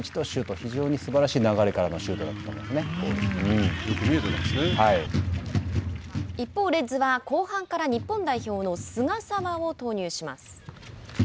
非常にすばらしい流れからの一方、レッズは後半から日本代表の菅澤を投入します。